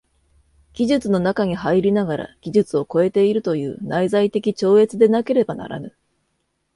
技術の中に入りながら技術を超えているという内在的超越でなければならぬ。